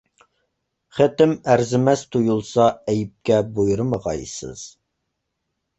خېتىم ئەرزىمەس تۇيۇلسا ئەيىبكە بۇيرۇمىغايسىز.